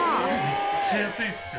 めっちゃ安いっすよ！